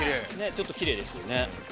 ◆ちょっときれいですよね。